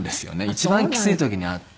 一番きつい時に会って。